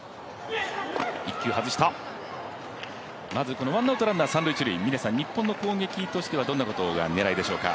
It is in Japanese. このワンアウト、三・一塁日本の攻撃としてはどんなことが狙いでしょうか？